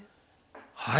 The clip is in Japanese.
はい。